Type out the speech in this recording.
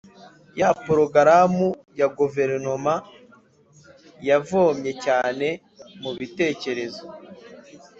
ya porogaramu ya Guverinoma yavomye cyane mu bitekerezo